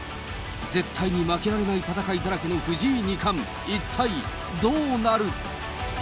絶対に負けられない戦いだらけの藤井二冠、一体どうなる。